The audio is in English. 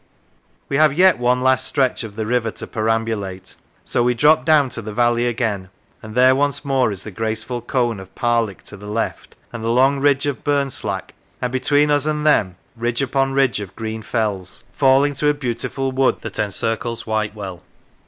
We have yet one last stretch of the river to peram bulate, so we drop down to the valley again, and there once more is the graceful cone of Parlick to the left, and the long ridge of Burnslack, and between us and them ridge upon ridge of green fells, falling to a beautiful wood that encircles Whitewell.